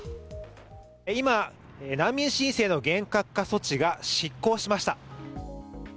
今、難民申請の厳格化措置が失効しました。